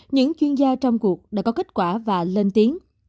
những chuyên gia trong cuộc đã có kết quả và lên tiếng